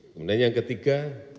kemudian yang ketiga